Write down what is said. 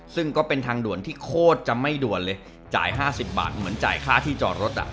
ซึ่งก็เป็นทางด่วนที่โคตรจะไม่ด่วนเลยจ่าย๕๐บาทเหมือนจ่ายค่าที่จอดรถ